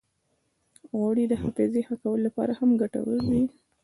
غوړې د حافظې ښه کولو لپاره هم ګټورې دي.